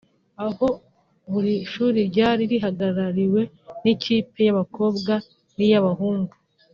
aho buri shuli ryari rihagarariwe n’ikipe y’abakobwa n’iy’abahungu